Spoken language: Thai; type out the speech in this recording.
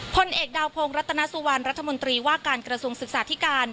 พลเอกดาวพงศ์รัตนสุวรรณรัฐมนตรีว่าการกระทรวงศึกษาธิการ